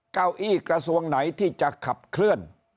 เก้าอี้กระทรวงไหนที่จะขับเคลื่อน